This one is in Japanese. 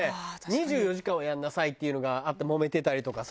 ２４時間はやんなさいっていうのがあってもめてたりとかさ。